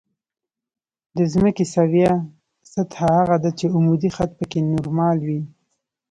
د ځمکې سویه سطح هغه ده چې عمودي خط پکې نورمال وي